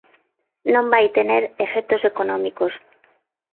Non vai tener efectos económicos.